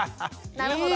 なるほど。